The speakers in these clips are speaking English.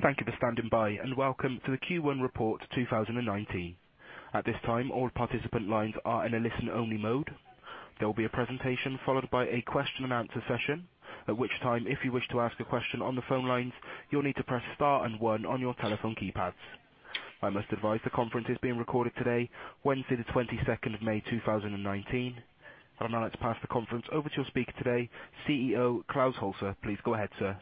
Thank you for standing by, and welcome to the Q1 Report 2019. At this time, all participant lines are in a listen-only mode. There will be a presentation followed by a question-and-answer session. At which time, if you wish to ask a question on the phone lines, you'll need to press Star and One on your telephone keypads. I must advise the conference is being recorded today, Wednesday, the 22nd of May 2019. I'd now like to pass the conference over to your speaker today, CEO Klaus Holse. Please go ahead, sir.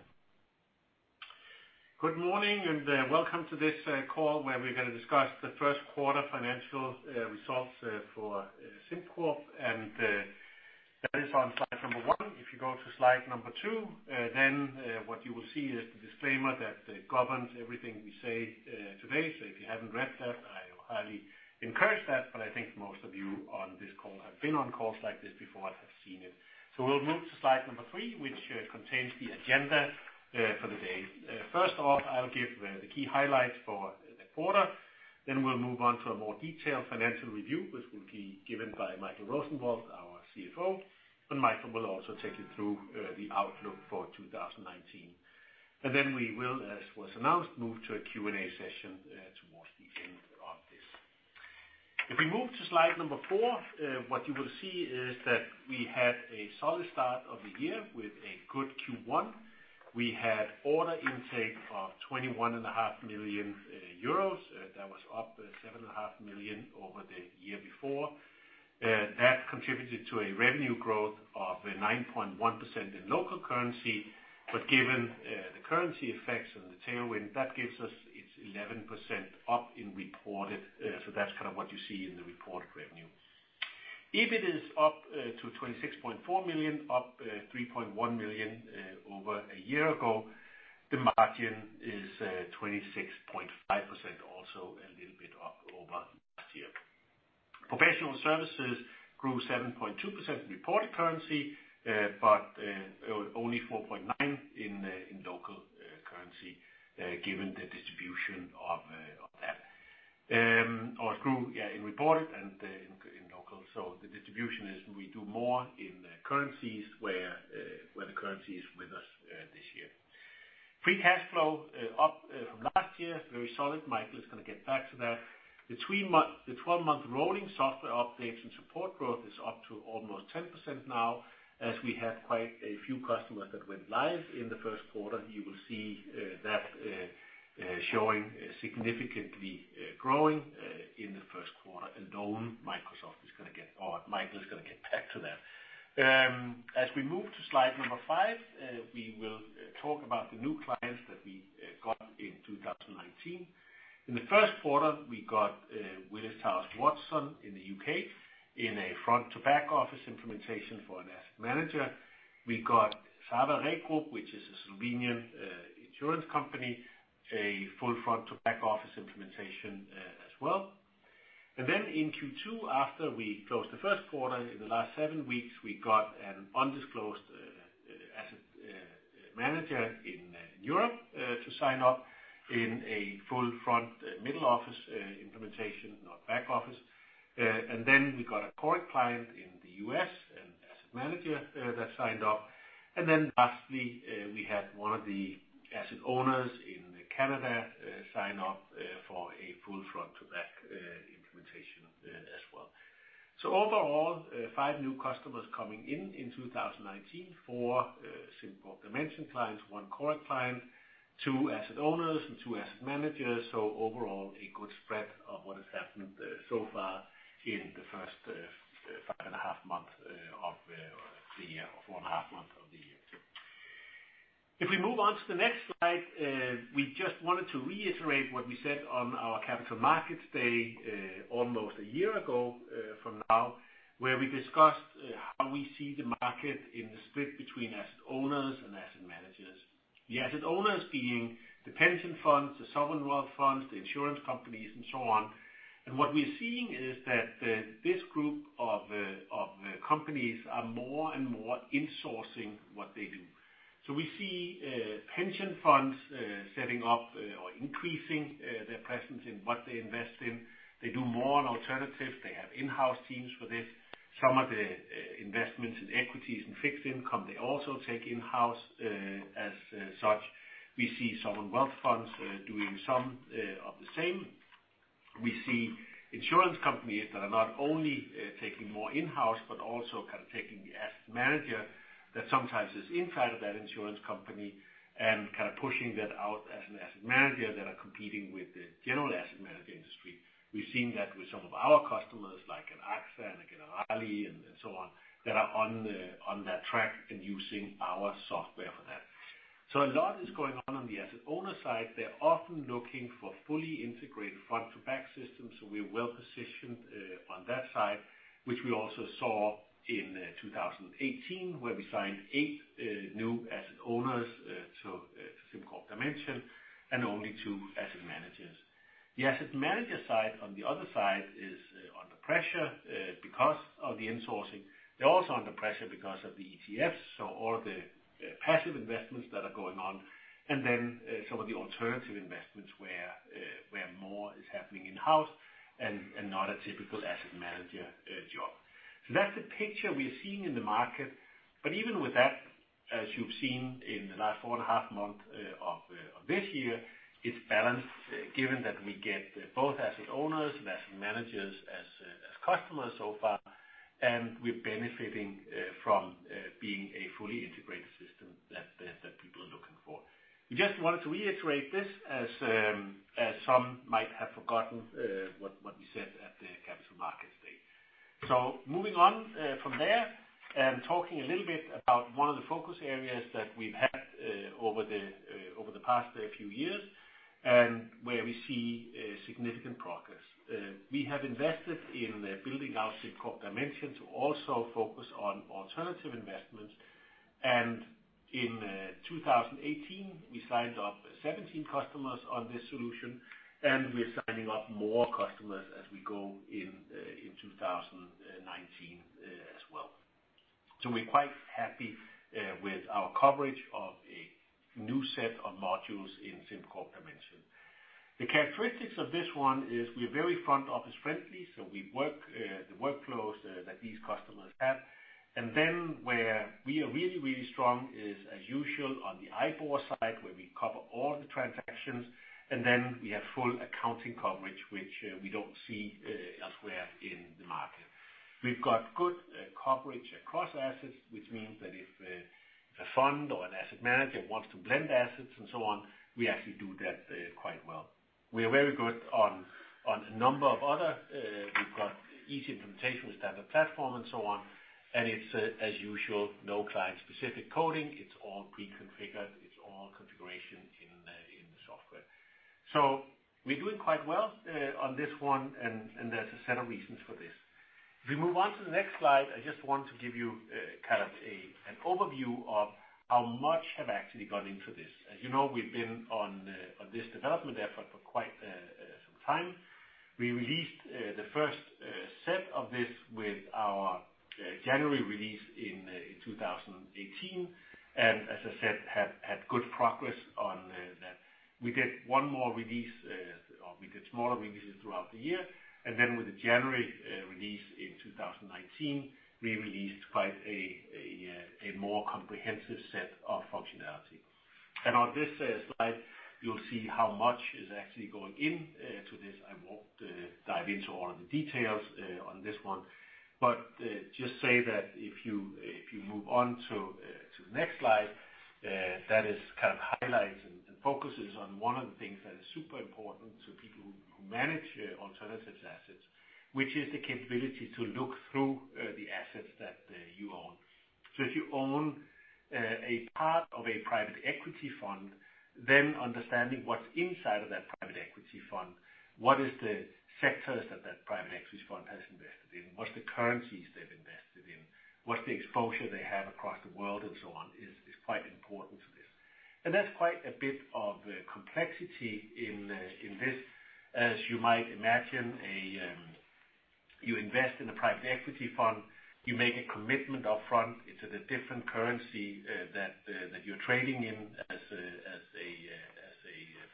Good morning, and welcome to this call where we're going to discuss the first quarter financial results for SimCorp, and that is on slide number one. If you go to slide number two, what you will see is the disclaimer that governs everything we say today. If you haven't read that, I highly encourage that, I think most of you on this call have been on calls like this before and have seen it. We'll move to slide number three, which contains the agenda for the day. First off, I'll give the key highlights for the quarter. We'll move on to a more detailed financial review, which will be given by Michael Rosenvold, our CFO. Michael will also take you through the outlook for 2019. We will, as was announced, move to a Q&A session towards the end of this. If we move to slide number four, what you will see is that we had a solid start of the year with a good Q1. We had order intake of 21.5 million euros. That was up 7.5 million over the year before. That contributed to a revenue growth of 9.1% in local currency. Given the currency effects and the tailwind that gives us, it's 11% up in reported. That's kind of what you see in the reported revenue. EBIT is up to 26.4 million, up 3.1 million over a year ago. The margin is 26.5%, also a little bit up over last year. Professional services grew 7.2% in reported currency, but only 4.9% in local currency, given the distribution of that. It grew in reported and in local. The distribution is we do more in currencies where the currency is with us this year. Free cash flow up from last year, very solid. Michael's going to get back to that. The 12-month rolling software updates and support growth is up to almost 10% now, as we have quite a few customers that went live in the first quarter. You will see that showing significantly growing in the first quarter alone. Michael is going to get back to that. As we move to slide number five, we will talk about the new clients that we got in 2019. In the first quarter, we got Willis Towers Watson in the U.K. in a front-to-back office implementation for an asset manager. We got Sava Re Group, which is a Slovenian insurance company, a full front to back-office implementation as well. In Q2, after we closed the first quarter, in the last seven weeks, we got an undisclosed asset manager in Europe to sign up in a full front middle-office implementation, not back office. We got a Coric client in the U.S., an asset manager that signed up. Lastly, we had one of the asset owners in Canada sign up for a full front-to-back implementation as well. Overall, five new customers coming in in 2019. Four SimCorp Dimension clients, one Coric client, two asset owners, and two asset managers. Overall, a good spread of what has happened so far in the first five and a half months of the year, or four and a half months of the year. If we move on to the next slide, we just wanted to reiterate what we said on our Capital Markets Day almost a year ago from now, where we discussed how we see the market in the split between asset owners and asset managers. The asset owners being the pension funds, the sovereign wealth funds, the insurance companies, and so on. What we're seeing is that this group of companies are more and more insourcing what they do. We see pension funds setting up or increasing their presence in what they invest in. They do more on alternatives. They have in-house teams for this. Some of the investments in equities and fixed income, they also take in-house. As such, we see sovereign wealth funds doing some of the same. We see insurance companies that are not only taking more in-house, but also kind of taking the asset manager that sometimes is inside of that insurance company and kind of pushing that out as an asset manager that are competing with the general asset management industry. We've seen that with some of our customers, like an AXA and a Generali and so on, that are on that track and using our software for that. A lot is going on on the asset owner side. They're often looking for fully integrated front-to-back systems. We're well-positioned on that side, which we also saw in 2018, where we signed eight new asset owners to SimCorp Dimension and only two asset managers. The asset manager side on the other side is under pressure because of the insourcing. They're also under pressure because of the ETFs. All the passive investments that are going on, and some of the alternative investments where more is happening in-house and not a typical asset manager job. That's the picture we're seeing in the market. Even with that, as you've seen in the last four and a half months of this year, it's balanced given that we get both asset owners and asset managers as customers so far, and we're benefiting from being a fully integrated system that people are looking for. We just wanted to reiterate this as some might have forgotten what we said at the Capital Markets Day. Moving on from there, talking a little bit about one of the focus areas that we've had over the past few years, and where we see significant progress. We have invested in building out SimCorp Dimension to also focus on alternative investments. In 2018, we signed up 17 customers on this solution, we're signing up more customers as we go in 2019 as well. We're quite happy with our coverage of a new set of modules in SimCorp Dimension. The characteristics of this one is we're very front-office friendly, we work the workflows that these customers have. Where we are really, really strong is, as usual, on the IBOR side, we cover all the transactions, we have full accounting coverage, which we don't see elsewhere in the market. We've got good coverage across assets, which means that if a fund or an asset manager wants to blend assets and so on, we actually do that quite well. We are very good on a number of other. We've got easy implementation with standard platform and so on, it's as usual, no client-specific coding. It's all pre-configured, it's all configuration in the software. We're doing quite well on this one, there's a set of reasons for this. We move on to the next slide, I just want to give you an overview of how much have actually gone into this. As you know, we've been on this development effort for quite some time. We released the first set of this with our January release in 2018, as I said, have had good progress on that. We did one more release, or we did smaller releases throughout the year. With the January release in 2019, we released quite a more comprehensive set of functionality. On this slide, you'll see how much is actually going into this. I won't dive into all of the details on this one, just say that if you move on to the next slide, that is highlighting and focuses on one of the things that is super important to people who manage alternatives assets, which is the capability to look through the assets that you own. If you own a part of a private equity fund, then understanding what's inside of that private equity fund, what is the sectors that that private equity fund has invested in, what's the currencies they've invested in, what's the exposure they have across the world and so on, is quite important to this. There's quite a bit of complexity in this. As you might imagine, you invest in a private equity fund, you make a commitment up front. It's at a different currency that you're trading in as a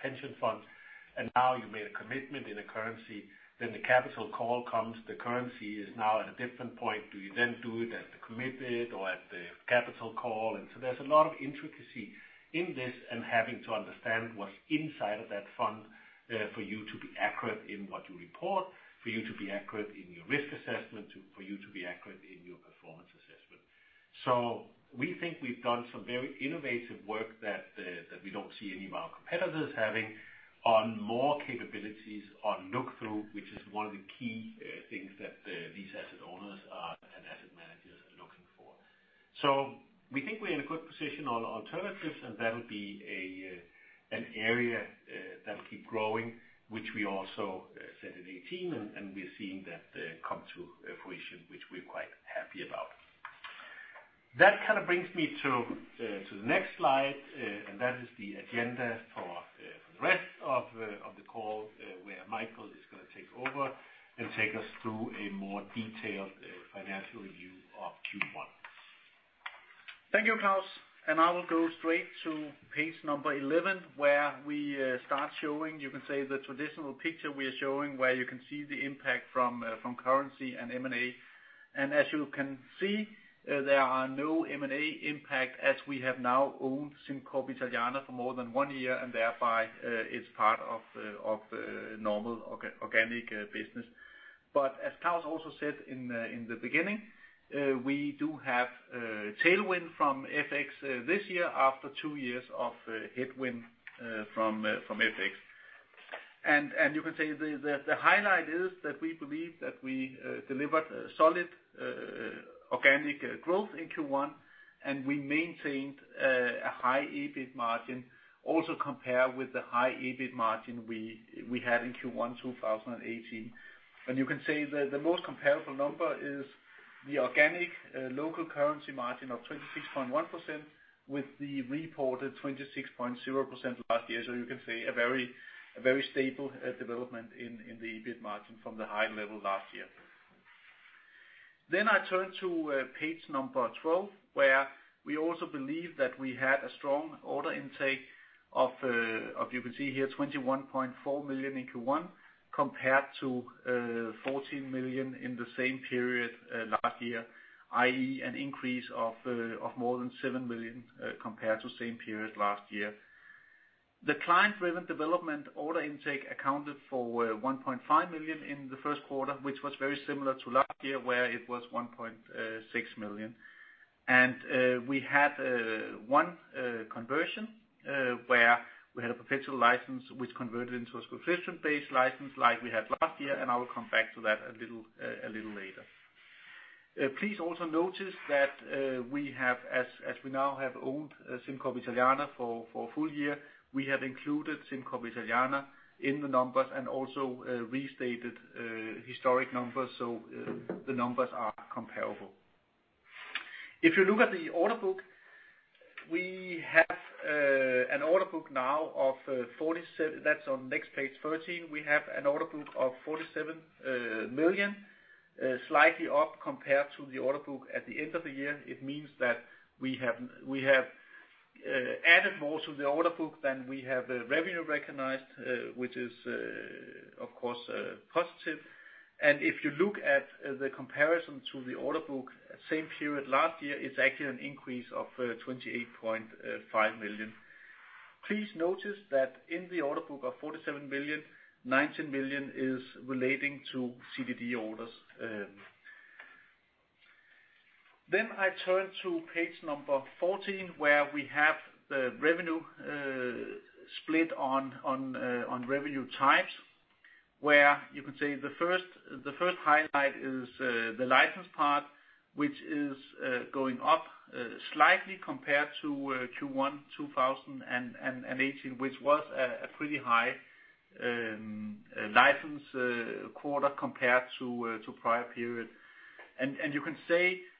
pension fund. Now you made a commitment in a currency. The capital call comes, the currency is now at a different point. Do you then do it at the committed or at the capital call? There's a lot of intricacy in this, having to understand what's inside of that fund for you to be accurate in what you report, for you to be accurate in your risk assessment, for you to be accurate in your performance assessment. We think we've done some very innovative work that we don't see any of our competitors having on more capabilities on look-through, which is one of the key things that these asset owners and asset managers are looking for. We think we're in a good position on alternatives, that'll be an area that will keep growing, which we also said in 2018. We're seeing that come to fruition, which we're quite happy about. That brings me to the next slide, and that is the agenda for the rest of the call, where Michael is going to take over and take us through a more detailed financial review of Q1. Thank you, Klaus. I will go straight to page 11, where we start showing, you can say the traditional picture we're showing, where you can see the impact from currency and M&A. As you can see, there are no M&A impact as we have now owned SimCorp Italiana for more than one year, and thereby it's part of normal organic business. As Klaus also said in the beginning, we do have tailwind from FX this year after two years of headwind from FX. You can say the highlight is that we believe that we delivered solid organic growth in Q1, and we maintained a high EBIT margin, also compare with the high EBIT margin we had in Q1 2018. You can say the most comparable number is the organic local currency margin of 26.1% with the reported 26.0% last year. You can say a very stable development in the EBIT margin from the high level last year. I turn to page 12, where we also believe that we had a strong order intake of, you can see here, 21.4 million in Q1 compared to 14 million in the same period last year, i.e., an increase of more than seven million compared to same period last year. The client-driven development order intake accounted for 1.5 million in the first quarter, which was very similar to last year, where it was 1.6 million. We had one conversion, where we had a perpetual license which converted into a subscription-based license like we had last year, and I will come back to that a little later. Please also notice that we have, as we now have owned SimCorp Italiana for a full year, we have included SimCorp Italiana in the numbers and also restated historic numbers, so the numbers are comparable. If you look at the order book, we have an order book now of 47. That's on next page 13. We have an order book of 47 million, slightly up compared to the order book at the end of the year. It means that we have added more to the order book than we have revenue recognized, which is, of course, positive. If you look at the comparison to the order book same period last year, it's actually an increase of 28.5 million. Please notice that in the order book of 47 million, 19 million is relating to CDD orders. I turn to page 14, where we have the revenue split on revenue types, where you can see the first highlight is the license part, which is going up slightly compared to Q1 2018, which was a pretty high license quarter compared to prior period.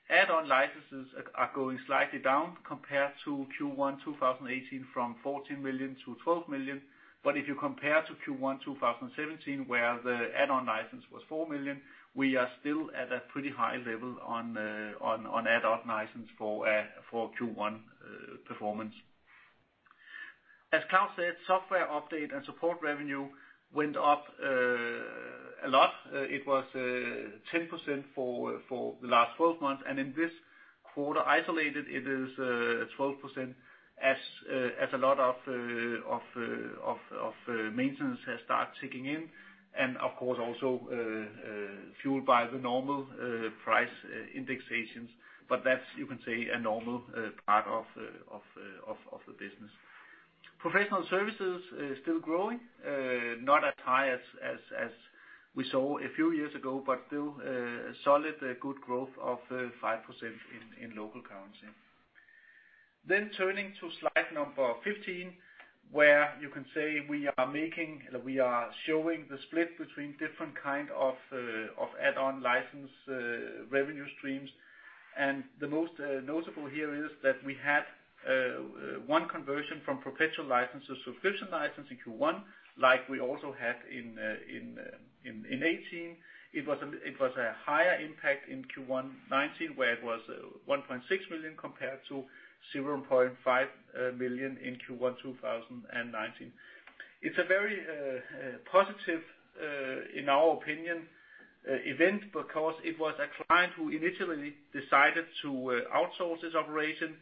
Add-on licenses are going slightly down compared to Q1 2018 from 14 million to 12 million. If you compare to Q1 2017, where the add-on license was 4 million, we are still at a pretty high level on add-on license for Q1 performance. As Klaus said, software update and support revenue went up a lot. It was 10% for the last 12 months, and in this quarter, isolated, it is 12% as a lot of maintenance has started ticking in and, of course, also fueled by the normal price indexations. That's, you can say, a normal part of the business. Professional services is still growing, not as high as we saw a few years ago, but still a solid good growth of 5% in local currency. Turning to slide 15, where you can say we are showing the split between different kind of add-on license revenue streams. The most notable here is that we had one conversion from perpetual license to subscription license in Q1, like we also had in 2018. It was a higher impact in Q1 2019, where it was 1.6 million compared to 0.5 million in Q1 2019. It's a very positive, in our opinion, event because it was a client who initially decided to outsource his operation,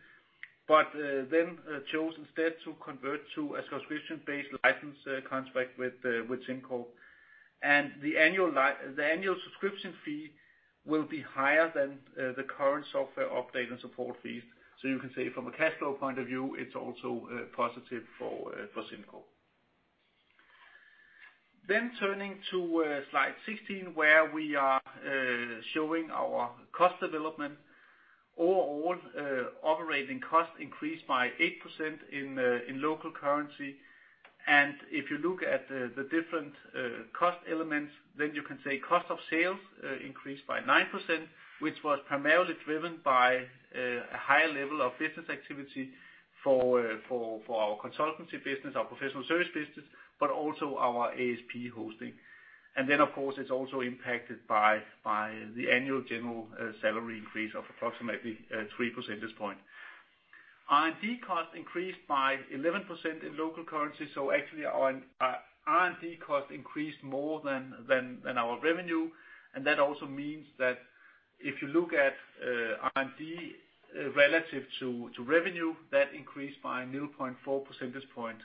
then chose instead to convert to a subscription-based license contract with SimCorp. The annual subscription fee will be higher than the current software update and support fees. You can say from a cash flow point of view, it's also positive for SimCorp. Turning to slide 16, where we are showing our cost development. Overall, operating costs increased by 8% in local currency. If you look at the different cost elements, you can say cost of sales increased by 9%, which was primarily driven by a higher level of business activity for our consultancy business, our professional service business, also our ASP hosting. Of course, it's also impacted by the annual general salary increase of approximately three percentage point. R&D cost increased by 11% in local currency. Actually our R&D cost increased more than our revenue. That also means that if you look at R&D relative to revenue, that increased by 0.4 percentage point.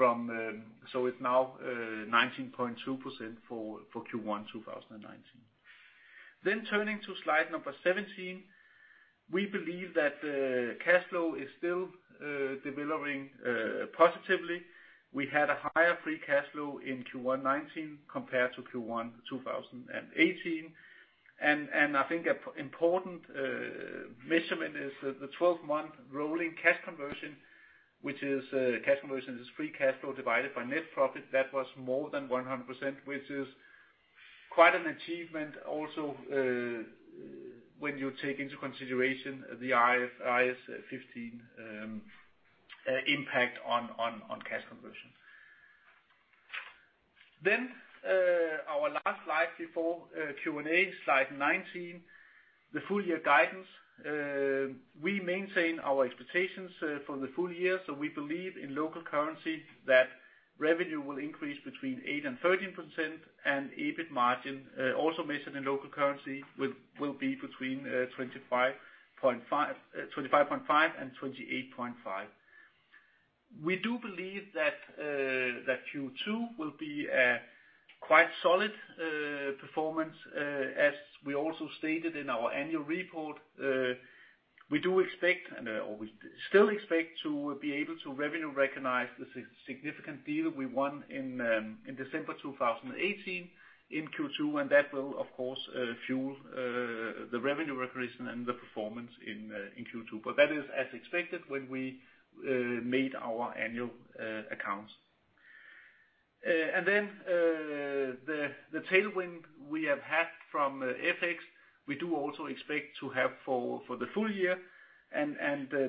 It's now 19.2% for Q1 2019. Turning to slide 17. We believe that cash flow is still developing positively. We had a higher free cash flow in Q1 2019 compared to Q1 2018. I think an important measurement is the 12-month rolling cash conversion, which is cash conversion is free cash flow divided by net profit. That was more than 100%, which is quite an achievement also when you take into consideration the IFRS 15 impact on cash conversion. Our last slide before Q&A, slide 19, the full year guidance. We maintain our expectations for the full year, we believe in local currency that revenue will increase between 8% and 13%, and EBIT margin, also measured in local currency, will be between 25.5% and 28.5%. We do believe that Q2 will be a quite solid performance, as we also stated in our annual report. We still expect to be able to revenue recognize the significant deal we won in December 2018 in Q2, and that will, of course, fuel the revenue recognition and the performance in Q2. That is as expected when we made our annual accounts. The tailwind we have had from FX, we do also expect to have for the full year.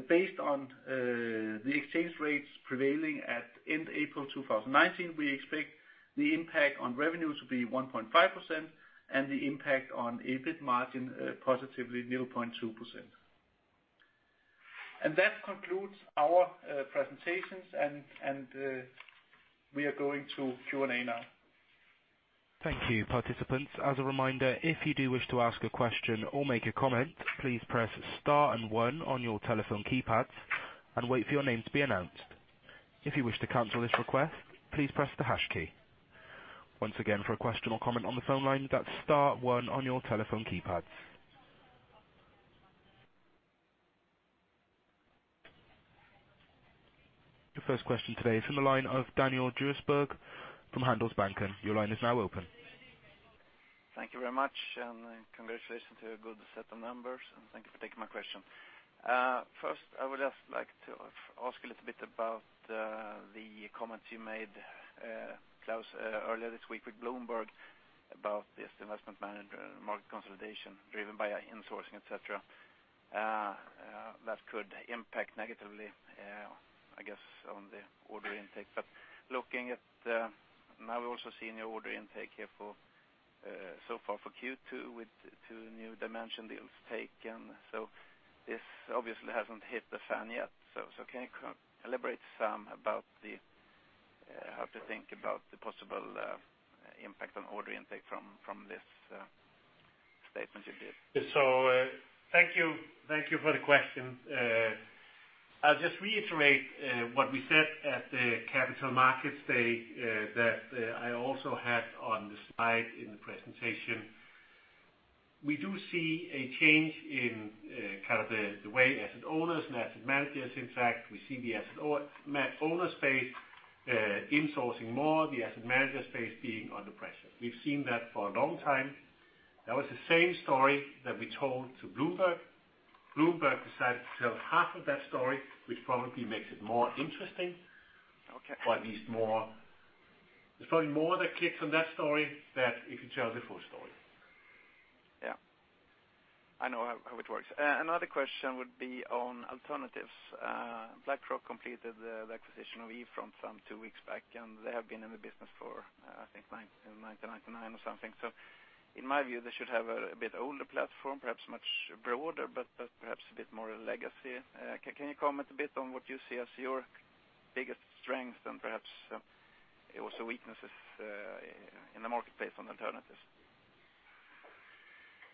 Based on the exchange rates prevailing at end April 2019, we expect the impact on revenue to be 1.5% and the impact on EBIT margin positively 0.2%. That concludes our presentations, and we are going to Q&A now. Thank you, participants. As a reminder, if you do wish to ask a question or make a comment, please press star 1 on your telephone keypads and wait for your name to be announced. If you wish to cancel this request, please press the # key. Once again, for a question or comment on the phone line, that's star 1 on your telephone keypads. The first question today is from the line of Daniel Djurberg from Handelsbanken. Your line is now open. Thank you very much, and congratulations to a good set of numbers, and thank you for taking my question. First, I would just like to ask a little bit about the comments you made, Klaus, earlier this week with Bloomberg about this investment manager market consolidation driven by insourcing, et cetera, that could impact negatively, I guess, on the order intake. Looking at now we're also seeing your order intake here so far for Q2 with 2 new Dimension deals taken. This obviously hasn't hit the fan yet. Can you elaborate some about how to think about the possible impact on order intake from this statement you did? Thank you for the question. I'll just reiterate what we said at the capital markets day that I also had on the slide in the presentation. We do see a change in the way asset owners and asset managers interact. We see the asset owner space insourcing more, the asset manager space being under pressure. We've seen that for a long time. That was the same story that we told to Bloomberg. Bloomberg decided to tell half of that story, which probably makes it more interesting. Okay. There's probably more that clicks on that story than if you tell the full story. Yeah. I know how it works. Another question would be on alternatives. BlackRock completed the acquisition of eFront some two weeks back, and they have been in the business for, I think, 1999 or something. In my view, they should have a bit older platform, perhaps much broader, but perhaps a bit more legacy. Can you comment a bit on what you see as your biggest strengths and perhaps also weaknesses in the marketplace on alternatives?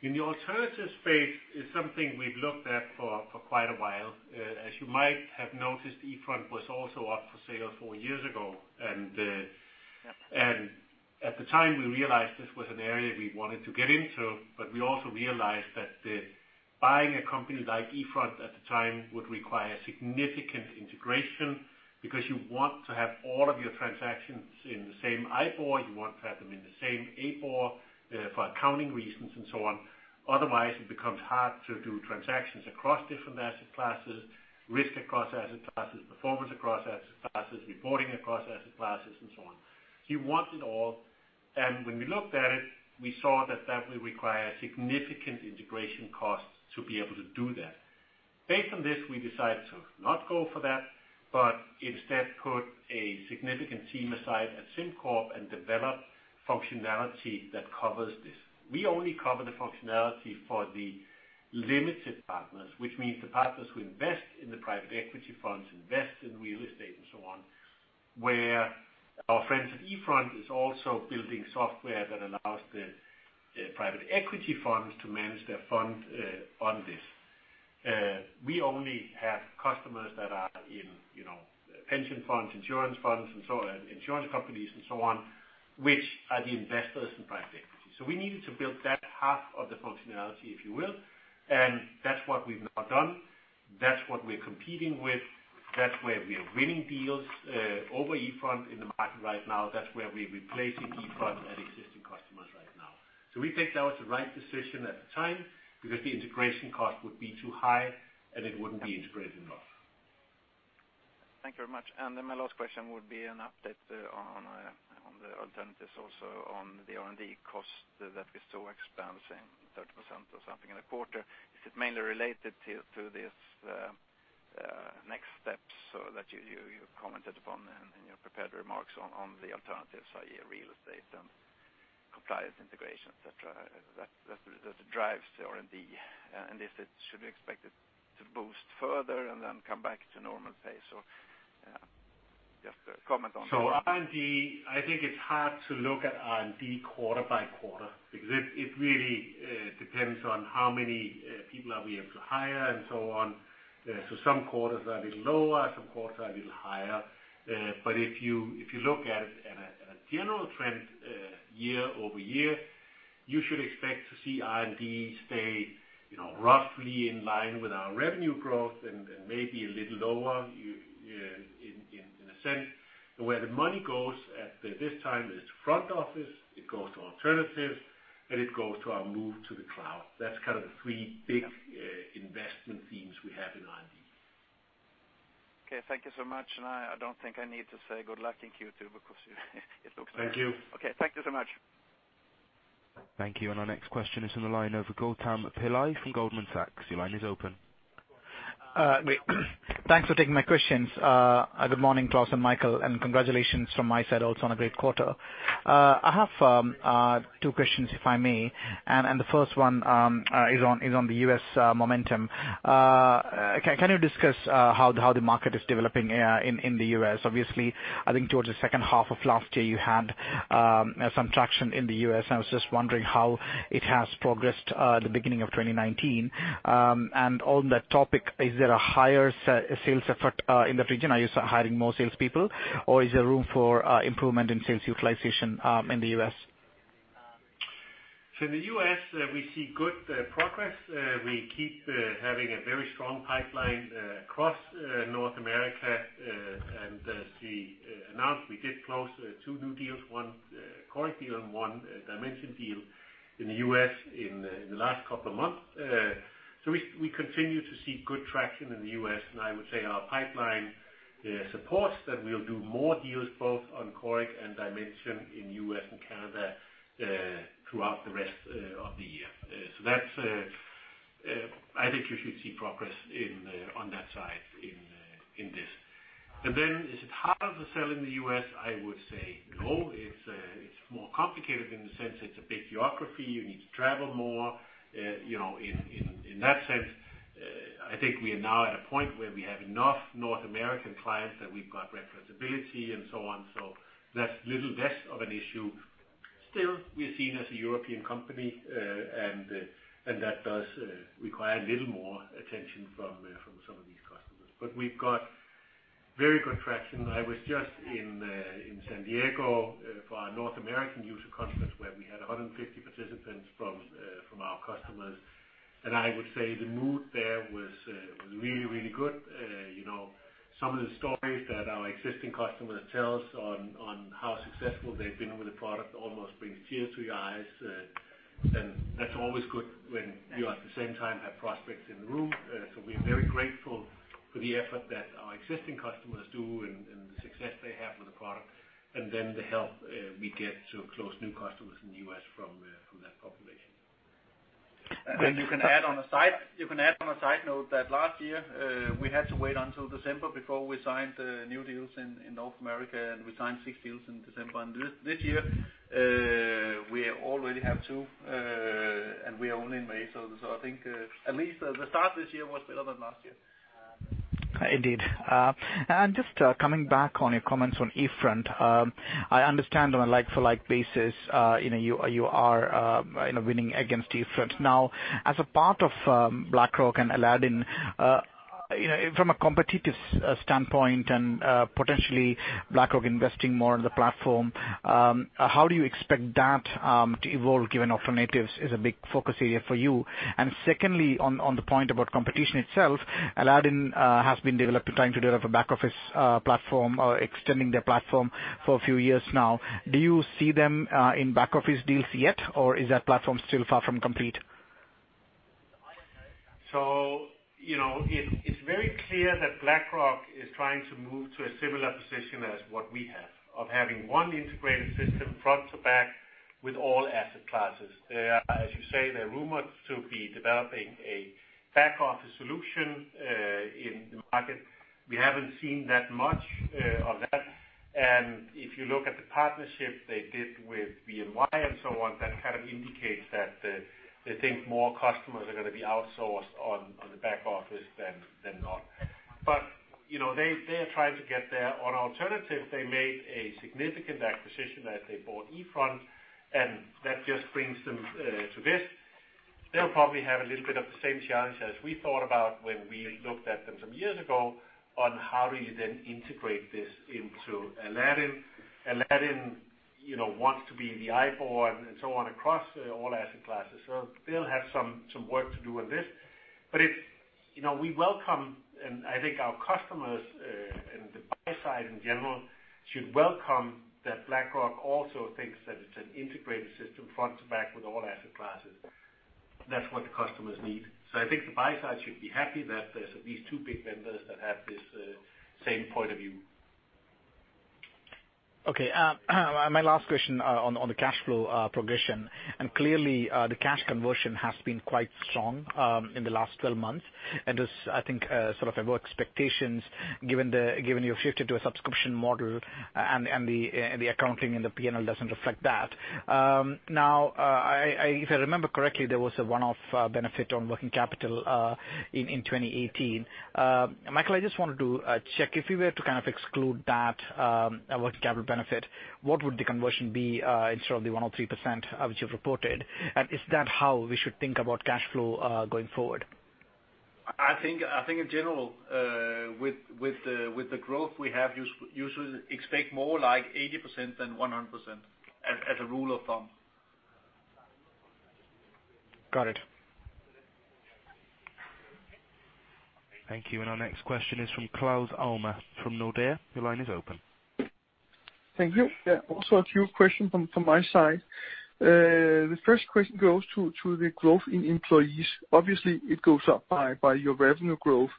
In the alternatives space, it's something we've looked at for quite a while. As you might have noticed, eFront was also up for sale four years ago. At the time, we realized this was an area we wanted to get into. We also realized that buying a company like eFront at the time would require significant integration because you want to have all of your transactions in the same IBOR, you want to have them in the same ABOR for accounting reasons and so on. Otherwise, it becomes hard to do transactions across different asset classes, risk across asset classes, performance across asset classes, reporting across asset classes, and so on. You want it all. When we looked at it, we saw that that will require significant integration costs to be able to do that. Based on this, we decided to not go for that. Instead put a significant team aside at SimCorp. Develop functionality that covers this. We only cover the functionality for the limited partners, which means the partners who invest in the private equity funds, invest in real estate, and so on, where our friends at eFront is also building software that allows the private equity funds to manage their fund on this. We only have customers that are in pension funds, insurance funds, and insurance companies, and so on, which are the investors in private equity. We needed to build that half of the functionality, if you will. That's what we've now done. That's what we're competing with. That's where we are winning deals over eFront in the market right now. That's where we're replacing eFront at existing customers right now. We think that was the right decision at the time because the integration cost would be too high, and it wouldn't be integrated enough. Thank you very much. My last question would be an update on the alternatives, also on the R&D cost that we saw expanding 30% or something in a quarter. Is it mainly related to The next steps that you commented upon in your prepared remarks on the alternatives, i.e. real estate and compliance integration, et cetera, that drives the R&D, and if it should be expected to boost further and then come back to normal pace, or just a comment on that. R&D, I think it's hard to look at R&D quarter by quarter, because it really depends on how many people are we able to hire and so on. Some quarters are a bit lower, some quarters are a bit higher. If you look at a general trend year-over-year, you should expect to see R&D stay roughly in line with our revenue growth and maybe a little lower in a sense. Where the money goes at this time is front office, it goes to alternatives, and it goes to our move to the cloud. That's kind of the three big investment themes we have in R&D. Okay. Thank you so much. I don't think I need to say good luck in Q2 because it looks great. Thank you. Okay. Thank you so much. Thank you. Our next question is on the line over Gautam Pillai from Goldman Sachs. Your line is open. Great. Thanks for taking my questions. Good morning, Klaus and Michael, congratulations from my side also on a great quarter. I have two questions, if I may. The first one is on the U.S. momentum. Can you discuss how the market is developing in the U.S.? Obviously, I think towards the second half of last year you had some traction in the U.S. I was just wondering how it has progressed at the beginning of 2019. On that topic, is there a higher sales effort in that region? Are you hiring more salespeople, or is there room for improvement in sales utilization in the U.S.? In the U.S., we see good progress. We keep having a very strong pipeline across North America. As we announced, we did close 2 new deals, one Coric deal and one Dimension deal in the U.S. in the last couple of months. We continue to see good traction in the U.S., and I would say our pipeline supports that we'll do more deals both on Coric and Dimension in U.S. and Canada throughout the rest of the year. I think you should see progress on that side in this. Is it harder to sell in the U.S.? I would say no. It's more complicated in the sense it's a big geography. You need to travel more. In that sense, I think we are now at a point where we have enough North American clients that we've got referenceability and so on. That's little less of an issue. Still, we're seen as a European company, and that does require a little more attention from some of these customers. We've got very good traction. I was just in San Diego for our North American user conference, where we had 150 participants from our customers. I would say the mood there was really good. Some of the stories that our existing customers tell us on how successful they've been with the product almost brings tears to your eyes. That's always good when you, at the same time, have prospects in the room. We're very grateful for the effort that our existing customers do and the success they have with the product, and then the help we get to close new customers in the U.S. from that population. Great. You can add on a side note that last year, we had to wait until December before we signed new deals in North America, and we signed 6 deals in December. This year, we already have 2, and we are only in May. I think at least the start this year was better than last year. Indeed. Just coming back on your comments on eFront. I understand on a like-for-like basis you are winning against eFront. As a part of BlackRock and Aladdin, from a competitive standpoint and potentially BlackRock investing more in the platform, how do you expect that to evolve, given alternatives is a big focus area for you? Secondly, on the point about competition itself, Aladdin has been trying to develop a back office platform or extending their platform for a few years now. Do you see them in back office deals yet, or is that platform still far from complete? It's very clear that BlackRock is trying to move to a similar position as what we have, of having one integrated system front to back with all asset classes. As you say, they're rumored to be developing a back-office solution in the market. We haven't seen that much of that. If you look at the partnership they did with BNY and so on, that kind of indicates that they think more customers are going to be outsourced on the back office than not. They're trying to get there. On alternatives, they made a significant acquisition that they bought eFront, and that just brings them to this. They'll probably have a little bit of the same challenge as we thought about when we looked at them some years ago on how do you then integrate this into Aladdin. Aladdin wants to be in the IBOR and so on across all asset classes. They'll have some work to do on this. We welcome, and I think our customers and the buy side in general should welcome that BlackRock also thinks that it's an integrated system front to back with all asset classes. That's what the customers need. I think the buy side should be happy that there's at least two big vendors that have this same point of view. Okay. My last question on the cash flow progression. Clearly, the cash conversion has been quite strong in the last 12 months, and is, I think, above expectations given your shift to a subscription model, and the accounting and the P&L doesn't reflect that. If I remember correctly, there was a one-off benefit on working capital in 2018. Michael, I just wanted to check, if we were to exclude that working capital benefit, what would the conversion be instead of the 103% which you've reported? Is that how we should think about cash flow going forward? I think in general, with the growth we have, you should expect more like 80% than 100%, as a rule of thumb. Got it. Thank you. Our next question is from Claus Almer from Nordea. Your line is open. Thank you. A few questions from my side. The first question goes to the growth in employees. Obviously, it goes up by your revenue growth.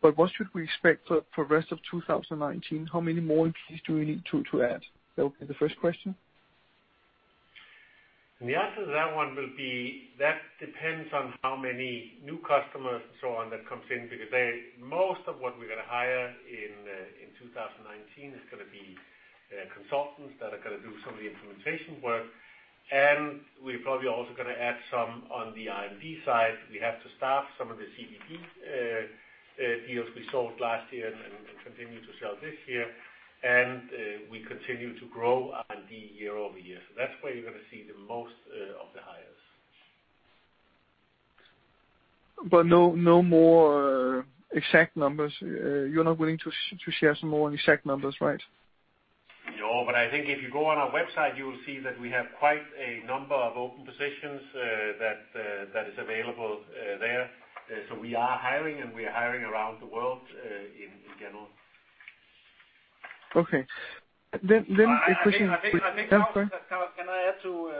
What should we expect for rest of 2019? How many more employees do we need to add? That would be the first question. The answer to that one will be, that depends on how many new customers and so on that comes in, because most of what we're going to hire in 2019 is going to be consultants that are going to do some of the implementation work. We're probably also going to add some on the R&D side. We have to staff some of the CBP deals we sold last year and continue to sell this year. We continue to grow R&D year-over-year. That's where you're going to see the most of the hires. No more exact numbers. You're not willing to share some more exact numbers, right? No. I think if you go on our website, you will see that we have quite a number of open positions that is available there. We are hiring, and we are hiring around the world in general. Okay. A question. Can I add to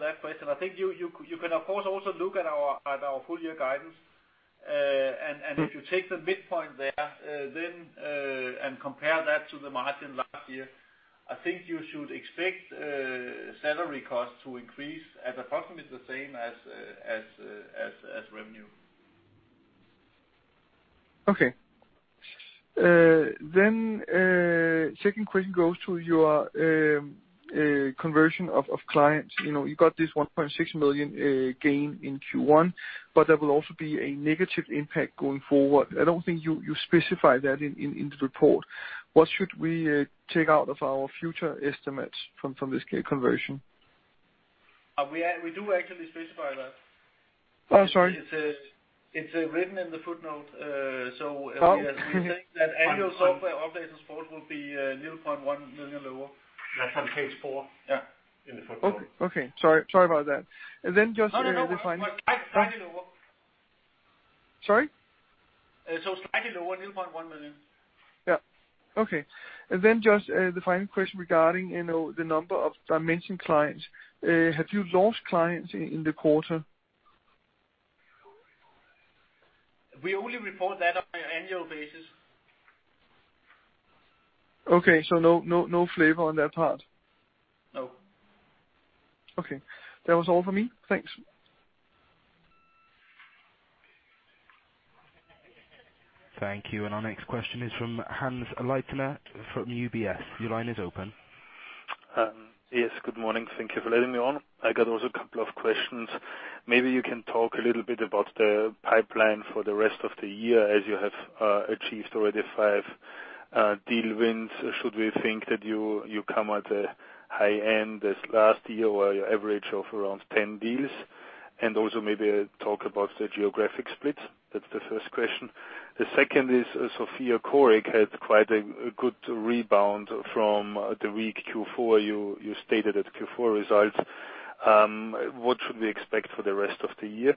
that question? I think you can, of course, also look at our full year guidance. If you take the midpoint there, and compare that to the margin last year, I think you should expect salary costs to increase at approximately the same as revenue. Okay. Second question goes to your conversion of clients. You got this 1.6 million gain in Q1, but there will also be a negative impact going forward. I don't think you specified that in the report. What should we take out of our future estimates from this conversion? We do actually specify that. Oh, sorry. It's written in the footnote. We think that annual software updates and support will be 0.1 million lower. That's on page four. Yeah. In the footnote. Okay. Sorry about that. No, no. Slightly lower. Sorry? slightly lower, 0.1 million. Yeah. Okay. Just the final question regarding the number of Dimension clients. Have you lost clients in the quarter? We only report that. We only report that on an annual basis. Okay. No flavor on that part? No. Okay. That was all for me. Thanks. Thank you. Our next question is from Hannes Leitner from UBS. Your line is open. Yes. Good morning. Thank you for letting me on. I got also a couple of questions. Maybe you can talk a little bit about the pipeline for the rest of the year, as you have achieved already five deal wins. Should we think that you come at the high end as last year, where your average of around 10 deals? Also maybe talk about the geographic split. That's the first question. The second is, Sofia Coric had quite a good rebound from the weak Q4 you stated at Q4 results. What should we expect for the rest of the year?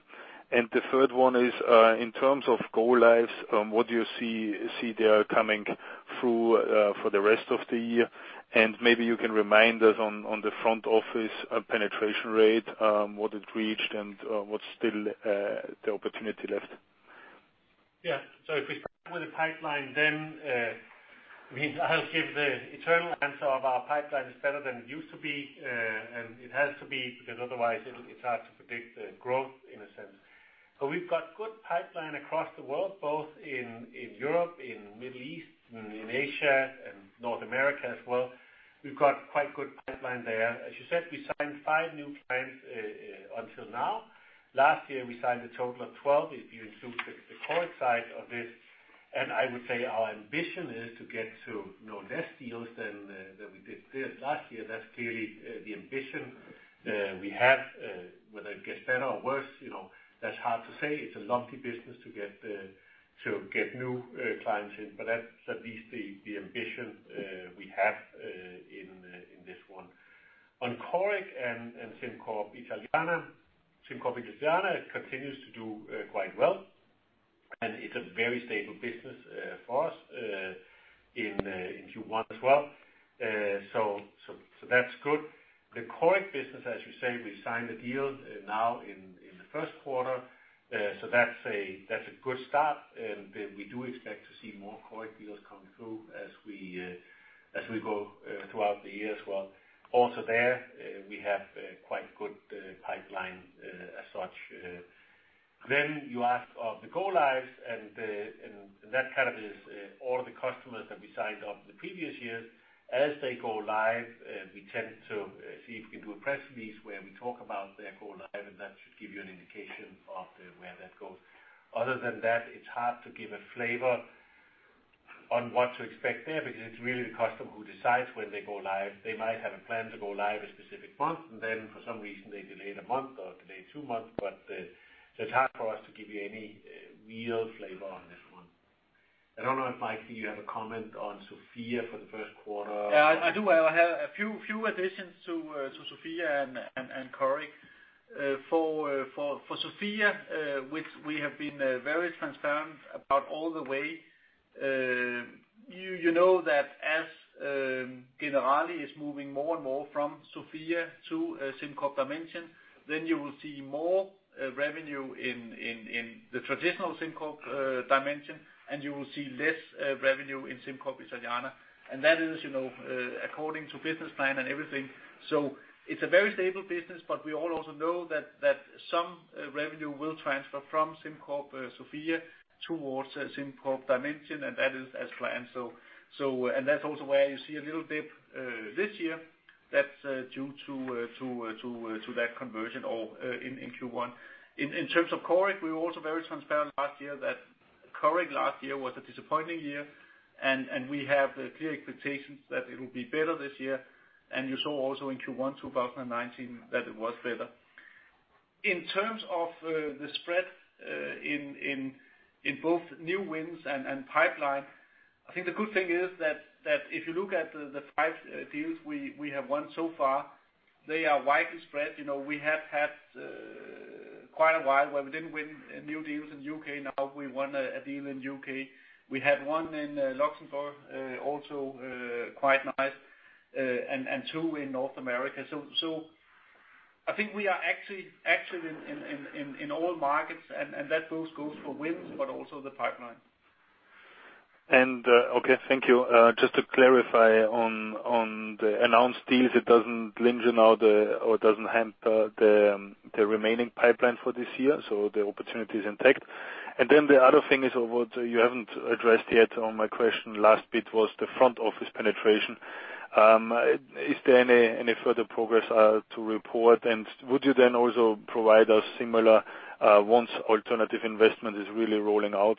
The third one is, in terms of go-lives, what do you see there coming through for the rest of the year? And maybe you can remind us on the front office penetration rate, what it reached and what's still the opportunity left. If we start with the pipeline, I'll give the eternal answer of our pipeline is better than it used to be, and it has to be, because otherwise it's hard to predict the growth, in a sense. We've got good pipeline across the world, both in Europe, in Middle East, in Asia and North America as well. We've got quite good pipeline there. As you said, we signed five new clients until now. Last year, we signed a total of 12, if you include the Coric side of this. I would say our ambition is to get to more of those deals than we did last year. That's clearly the ambition we have. Whether it gets better or worse, that's hard to say. It's a lumpy business to get new clients in. That's at least the ambition we have in this one. On Coric and SimCorp Italiana, SimCorp Italiana continues to do quite well, and it's a very stable business for us in Q1 as well. That's good. The Coric business, as you say, we signed the deal now in the first quarter. That's a good start, and we do expect to see more Coric deals coming through as we go throughout the year as well. Also there, we have quite good pipeline as such. You ask of the go lives, and that kind of is all of the customers that we signed up in the previous years. As they go live, we tend to see if we can do a press release where we talk about their go live, and that should give you an indication of where that goes. Other than that, it's hard to give a flavor on what to expect there, because it's really the customer who decides when they go live. They might have a plan to go live a specific month, and then for some reason, they delay it a month or delay two months. It's hard for us to give you any real flavor on this one. I don't know if, Mikey, you have a comment on Sofia for the first quarter. I do. I have a few additions to Sofia and Coric. For Sofia, which we have been very transparent about all the way, you know that as Generali is moving more and more from Sofia to SimCorp Dimension, you will see more revenue in the traditional SimCorp Dimension, and you will see less revenue in SimCorp Italiana. That is according to business plan and everything. It's a very stable business, but we all also know that some revenue will transfer from SimCorp Sofia towards SimCorp Dimension, and that is as planned. That's also where you see a little dip this year. That's due to that conversion in Q1. In terms of Coric, we were also very transparent last year that Coric last year was a disappointing year, and we have the clear expectations that it will be better this year. You saw also in Q1 2019, that it was better. In terms of the spread in both new wins and pipeline, I think the good thing is that if you look at the five deals we have won so far, they are widely spread. We have had quite a while where we didn't win new deals in U.K. Now we won a deal in U.K. We had one in Luxembourg, also quite nice, and two in North America. I think we are actually active in all markets, and that both goes for wins but also the pipeline. Okay, thank you. Just to clarify on the announced deals, it doesn't linger now or doesn't hamper the remaining pipeline for this year, the opportunity is intact. The other thing is what you haven't addressed yet on my question last bit was the front-office penetration. Is there any further progress to report, and would you then also provide us similar once alternative investment is really rolling out?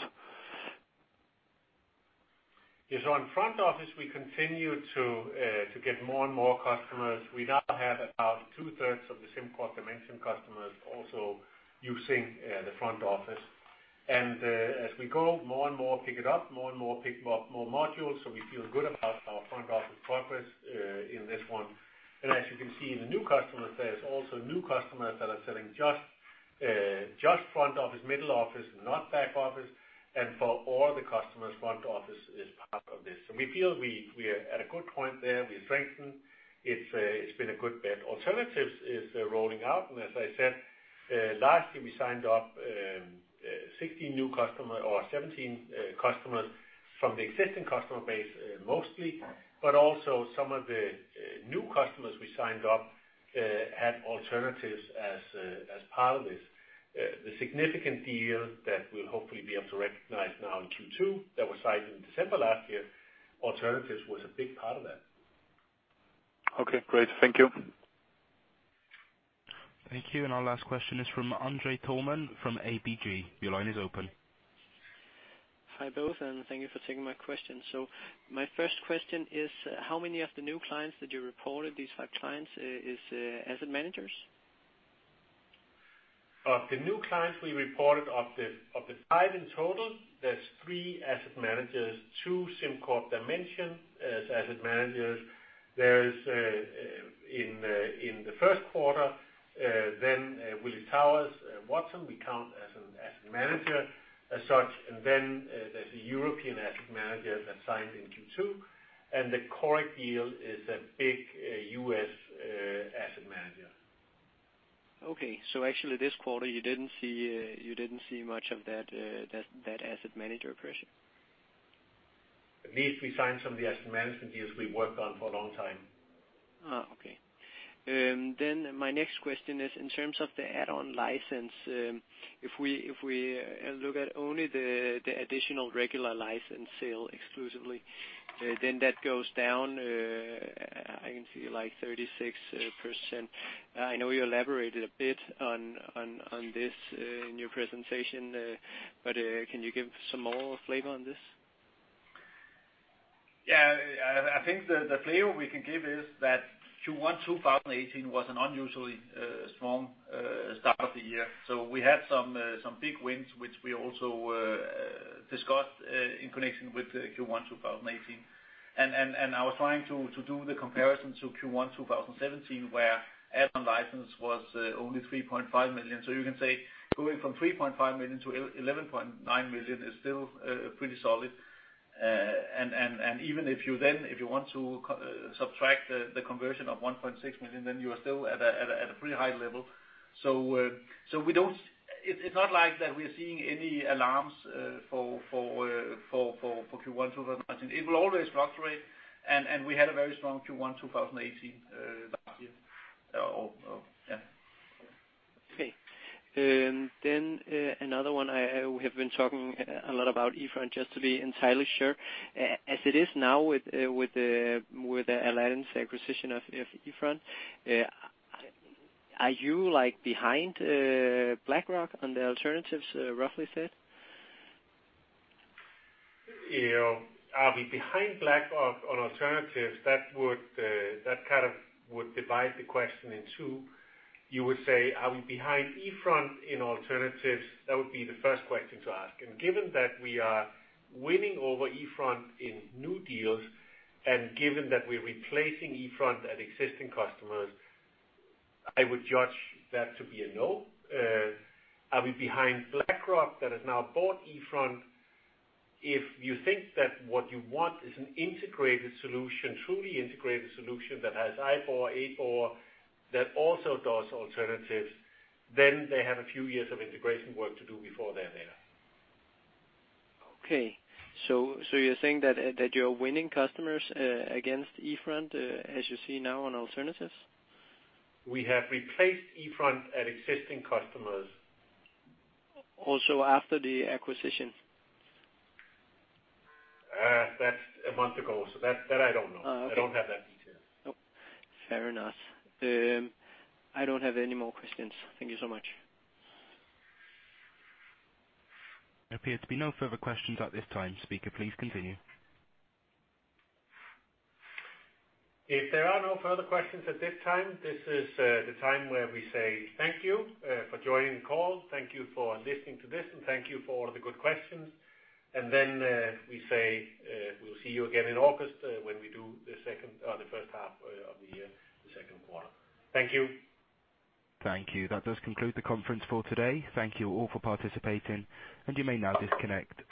Yeah. On front office, we continue to get more and more customers. We now have about two-thirds of the SimCorp Dimension customers also using the front office. As we go, more and more pick it up, more and more pick more modules. We feel good about our front-office progress in this one. As you can see in the new customers, there's also new customers that are selling just front office, middle office, not back office. For all the customers, front office is part of this. We feel we are at a good point there. We strengthen. It's been a good bet. Alternatives is rolling out. As I said, lastly, we signed up 16 new customer or 17 customers from the existing customer base mostly, but also some of the new customers we signed up had alternatives as part of this. The significant deal that we'll hopefully be able to recognize now in Q2 that was signed in December last year, alternatives was a big part of that. Okay, great. Thank you. Thank you. Our last question is from Andre Tolman from ABG. Your line is open. Hi, both, thank you for taking my question. My first question is, how many of the new clients that you reported, these five clients is asset managers? Of the new clients we reported, of the five in total, there's three asset managers, two SimCorp Dimension as asset managers. There is in the first quarter, Willis Towers Watson, we count as an asset manager as such. There's a European asset manager that signed in Q2, the Coric deal is a big U.S. asset manager. Actually this quarter, you didn't see much of that asset manager pressure. At least we signed some of the asset management deals we worked on for a long time. My next question is in terms of the add-on license, if we look at only the additional regular license sale exclusively, that goes down, I can see like 36%. I know you elaborated a bit on this in your presentation, can you give some more flavor on this? I think the flavor we can give is that Q1 2018 was an unusually strong start of the year. We had some big wins, which we also discussed in connection with Q1 2018. I was trying to do the comparison to Q1 2017 where add-on license was only 3.5 million. You can say going from 3.5 million to 11.9 million is still pretty solid. And even if you then want to subtract the conversion of 1.6 million, then you are still at a pretty high level. It's not like we are seeing any alarms for Q1 2019. It will always fluctuate, and we had a very strong Q1 2018 last year. Okay. Another one. We have been talking a lot about eFront, just to be entirely sure, as it is now with the Alliance acquisition of eFront, are you behind BlackRock on the alternatives, roughly said? Are we behind BlackRock on alternatives? That would divide the question in two. You would say, are we behind eFront in alternatives? That would be the first question to ask. Given that we are winning over eFront in new deals, given that we're replacing eFront at existing customers, I would judge that to be a no. Are we behind BlackRock that has now bought eFront? If you think that what you want is an integrated solution, truly integrated solution that has I4, ABOR, that also does alternatives, they have a few years of integration work to do before they're there. Okay. You're saying that you're winning customers against eFront, as you see now on alternatives? We have replaced eFront at existing customers. Also after the acquisition? That's a month ago, so that I don't know. Okay. I don't have that detail. Nope. Fair enough. I don't have any more questions. Thank you so much. There appear to be no further questions at this time. Speaker, please continue. If there are no further questions at this time, this is the time where we say thank you for joining the call. Thank you for listening to this, and thank you for all of the good questions. Then we say, we'll see you again in August when we do the first half of the year, the second quarter. Thank you. Thank you. That does conclude the conference for today. Thank you all for participating, and you may now disconnect.